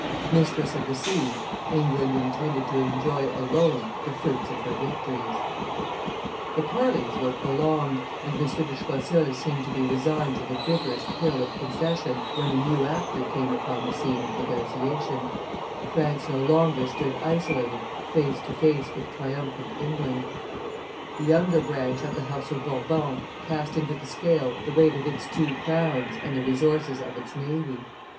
Mistress of the sea, England intended to enjoy alone the fruits of her victories. [Illustration: ANTWERP 233] The parleys were prolonged, and M. de Choiseul seemed to be resigned to the bitterest pill of concession, when a new actor came upon the scene of negotiation; France no longer stood isolated face to face with triumphant England. The younger branch of the house of Bourbon cast into the scale the weight of its two crowns and the resources of its navy.